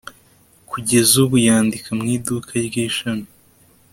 kugeza ubu, yandika mu iduka ry'ishami